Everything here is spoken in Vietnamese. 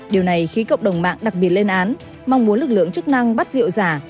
điều này khiến cộng đồng mạng đặc biệt lên án mong muốn lực lượng chức năng bắt rượu giả